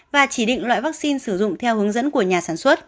và chỉ định loại vaccine sử dụng theo hướng dẫn của nhà sản xuất